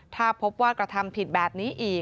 ถ้าพบว่ากระทำผิดแบบนี้อีก